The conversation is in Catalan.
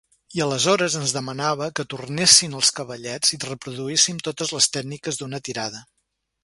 I aleshores ens demanava que tornessin als cavallets i reproduíssim totes les tècniques d'una tirada.